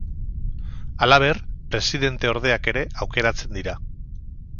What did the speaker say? Halaber, presidenteordeak ere aukeratzen dira.